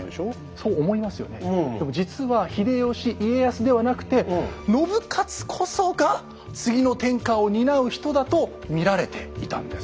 実は秀吉家康ではなくて信雄こそが次の天下を担う人だと見られていたんです。